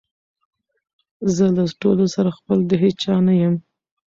زه له ټولو سره خپل د هیچا نه یم